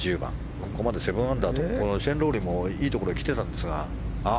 ここまで７アンダーとシェーン・ロウリーもいいところへ来ていたんですが。